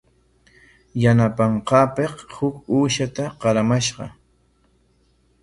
Yanapanqaapik huk uushata qaramashqa.